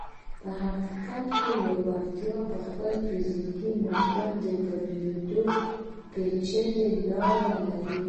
په حقیقت کې لېوالتیا پر خپل فزیکي معادل د بدلېدو پېچلې لارې لري